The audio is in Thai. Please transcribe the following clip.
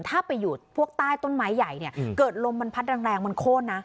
ถ้าไปอยู่พวกใต้ต้นไม้ใหญ่เนี่ยเกิดลมมันพัดแรงมันโค้นนะ